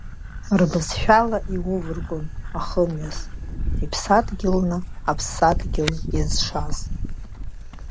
Рбызшәала иувыргон ахымҩас, иԥсадгьылны Аԥсадгьыл иазшаз.